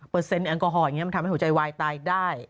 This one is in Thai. แอลกอฮอลอย่างนี้มันทำให้หัวใจวายตายได้